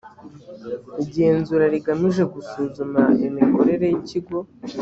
igenzura rigamije gusuzuma imikorere y ikigo